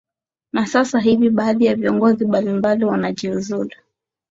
na sasa hivi baadhi ya viongozi mbalimbali wanajiuzulu